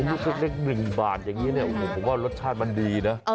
ชุดเล็ก๑บาทอย่างนี้ผมว่ารสชาติมันดีนะ